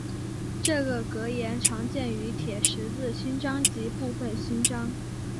这个格言常见于铁十字勋章及部分勋章。